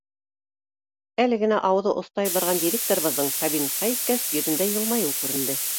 Әле генә ауыҙы остайып барған директорыбыҙҙың кабинетҡа еткәс, йөҙөндә йылмайыу күренде.